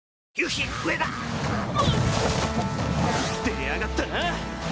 出やがったな！